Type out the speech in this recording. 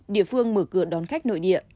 địa phương mở cửa đón khách nội địa